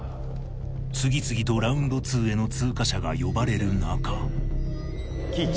次々とＲＯＵＮＤ２への通過者が呼ばれる中貴市。